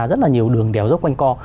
rất là nhiều đường đèo dốc quanh co